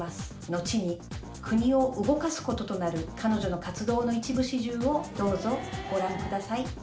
後に国を動かすこととなる、彼女の活動の一部始終を、どうぞご覧ください。